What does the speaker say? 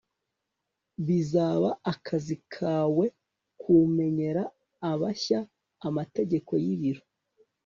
bizaba akazi kawe kumenyera abashya amategeko y'ibiro